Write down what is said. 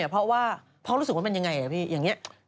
เพราะว่าพ่อรู้สึกว่ามันยังไงพี่อย่างนี้